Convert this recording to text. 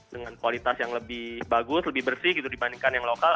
dengan kualitas yang lebih bagus lebih bersih gitu dibandingkan yang lokal